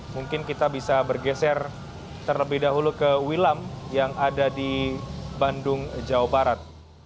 mungkin kita bisa bergeser terlebih dahulu ke wilam yang ada di bandung jawa barat